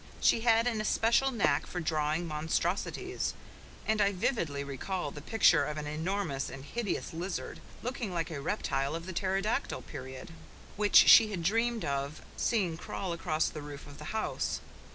She had an especial knack for drawing monstrosities; and I vividly recall the picture of an enormous and hideous lizard, looking like a reptile of the pterodactyl period, which she had dreamed of seeing crawl across the roof of the house.